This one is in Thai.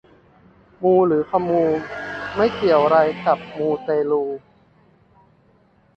มูหรือคอมมู ไม่เกี่ยวไรกับมูเตลู